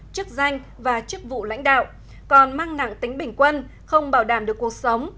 chức danh và chức vụ lãnh đạo còn mang nặng tính bình quân không bảo đảm được cuộc sống